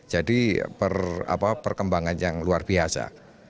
jadi perkembangan yang luar biasa